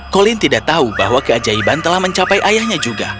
colin dia baik baik saja